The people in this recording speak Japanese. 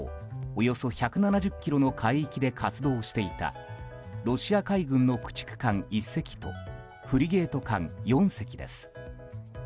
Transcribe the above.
およそ１７０ｋｍの海域で活動していたロシア海軍の駆逐艦１隻とフリゲート艦４隻です。